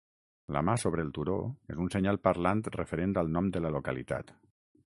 La mà sobre el turó és un senyal parlant referent al nom de la localitat.